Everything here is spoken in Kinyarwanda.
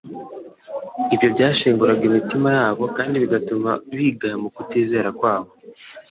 Ibyo byashenguraga imitima yabo, kandi bigatuma bigaya mu kutizera kwabo.